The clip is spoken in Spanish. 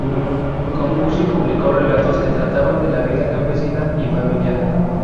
Compuso y publicó relatos que trataban de la vida campesina y familiar.